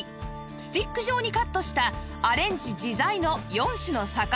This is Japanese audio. スティック状にカットしたアレンジ自在の４種の魚スティック